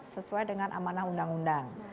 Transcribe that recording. sesuai dengan amanah undang undang